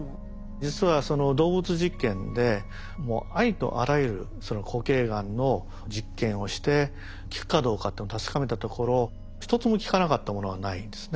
実は動物実験でもうありとあらゆる固形がんの実験をして効くかどうかっていうのを確かめたところ一つも効かなかったものはないんですね。